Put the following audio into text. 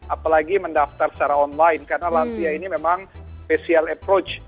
apalagi mendaftar secara online karena lansia ini memang special approach